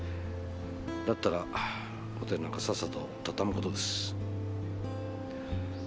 だったらホテルなんかさっさとたたむ事です。